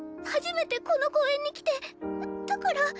初めてこの公園に来てだから。